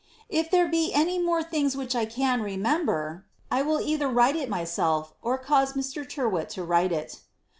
If there be any more things which I can remember, 1 will either write it myself^ or cause Mr. Tyrwhit to write it.